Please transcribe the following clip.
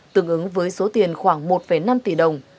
tương ứng với số tiền khoảng một năm tỷ đồng